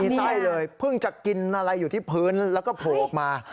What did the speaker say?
ไส้เลยเพิ่งจะกินอะไรอยู่ที่พื้นแล้วก็โผล่ออกมา